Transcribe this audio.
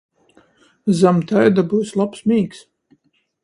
Zam taida byus lobs mīgs!